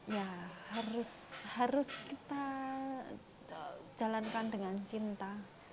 ya harus kita jalankan dengan cinta